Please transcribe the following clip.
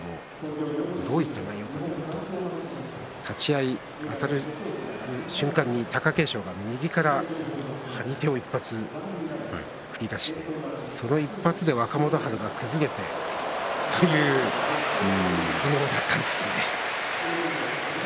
どういった内容かといいますと、立ち合いあたった瞬間に貴景勝右から張り手を１発繰り出してその１発で若元春が崩れたそういった相撲だったんです。